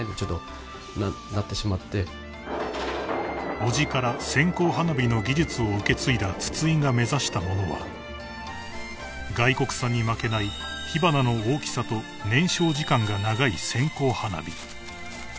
［叔父から線香花火の技術を受け継いだ筒井が目指した物は外国産に負けない火花の大きさと燃焼時間が長い線香花火］